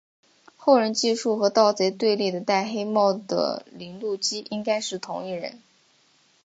后人记述与盗贼对立的戴黑帽的铃鹿姬应该是同一人。